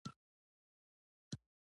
ګل په نرمۍ وښورېد.